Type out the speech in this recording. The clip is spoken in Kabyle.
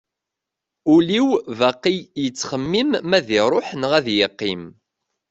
Ul-iw baqi yettxemmim ma ad iruḥ neɣ ad yeqqim.